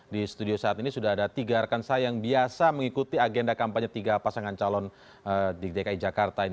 di studio saat ini sudah ada tiga rekan saya yang biasa mengikuti agenda kampanye tiga pasangan calon di dki jakarta ini